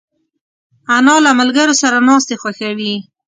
انا له ملګرو سره ناستې خوښوي